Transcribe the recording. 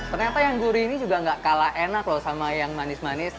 ternyata yang gurih ini juga gak kalah enak loh sama yang manis manis